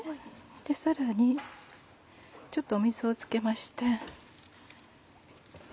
さらにちょっと水をつけまして。